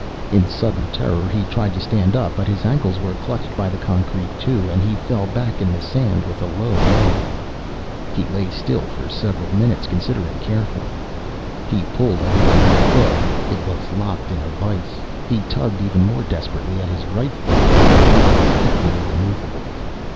In sudden terror, he tried to stand up, but his ankles were clutched by the concrete too, and he fell back in the sand with a low moan. He lay still for several minutes, considering carefully. He pulled at his left foot. It was locked in a vise. He tugged even more desperately at his right foot. It was equally immovable.